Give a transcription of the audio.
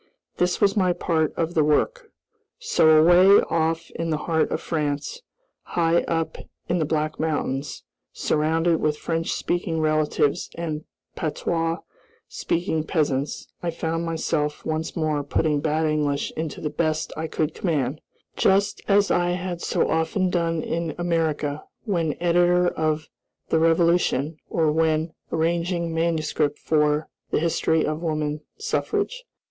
This was my part of the work. So, away off in the heart of France, high up in the Black Mountains, surrounded with French speaking relatives and patois speaking peasants, I found myself once more putting bad English into the best I could command, just as I had so often done in America, when editor of The Revolution, or when arranging manuscript for "The History of Woman Suffrage."